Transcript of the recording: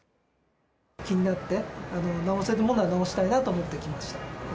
気になって、直せるものは直したいと思って来ました。